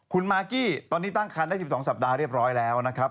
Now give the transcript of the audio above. คุณมากกี้ตอนนี้ตั้งคันได้๑๒สัปดาห์เรียบร้อยแล้วนะครับ